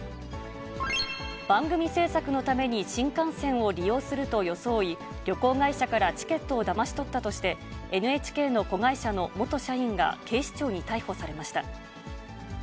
番組制作のために、新幹線を利用すると装い、旅行会社からチケットをだまし取ったとして、ＮＨＫの子会社の元社員が警視庁に逮捕されました。